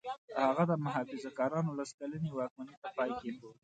هغه د محافظه کارانو لس کلنې واکمنۍ ته پای کېښود.